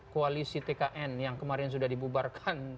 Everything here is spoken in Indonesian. koalisi tkn yang kemarin sudah dibubarkan